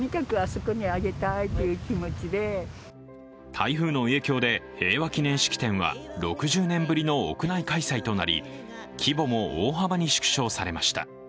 台風の影響で平和祈念式典は６０年ぶりの屋内開催となり規模も大幅に縮小されました。